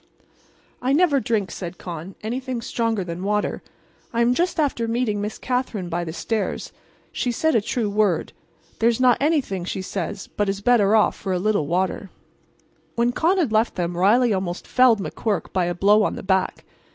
"I never drink," said Con, "anything stronger than water. I am just after meeting Miss Katherine by the stairs. She said a true word. 'There's not anything,' says she, 'but is better off for a little water.'" When Con had left them Riley almost felled McQuirk by a blow on the back.